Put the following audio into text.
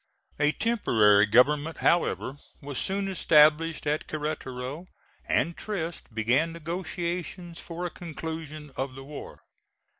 A temporary government, however, was soon established at Queretaro, and Trist began negotiations for a conclusion of the war.